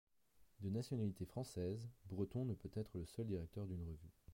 De nationalité française, Breton ne peut être le seul directeur d'une revue.